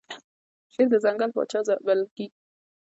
شیر د ځنګل پاچا بلل کیږي